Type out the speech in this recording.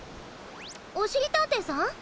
おしりたんていさん？